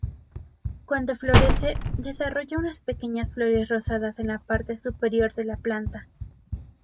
Cuando florece desarrolla unas pequeñas flores rosadas en la parte superior de la planta.